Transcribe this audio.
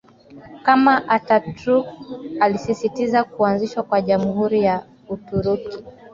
kama Ataturk alisisitiza kuanzishwa kwa Jamhuri ya Uturuki